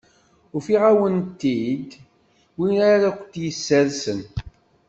Ufiɣ-awent-id win ara kent-yessersen.